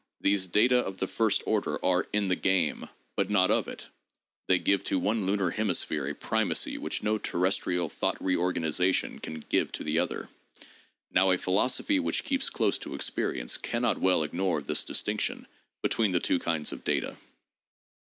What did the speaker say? ... These data of the first order are in the game, but not of it. They give to one lunar hemisphere a primacy which no terrestrial thought reorganization can give to the other. Now a philosophy which keeps close to experience can not well ignore this distinction between the two kinds of data."